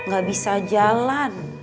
gak bisa jalan